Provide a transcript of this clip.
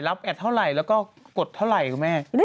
แอดเท่าไหร่แล้วก็กดเท่าไหร่คุณแม่